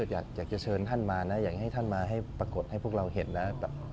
อยากจะเชิญท่านมานะอยากให้ท่านมาให้ปรากฏให้พวกเราเห็นนะ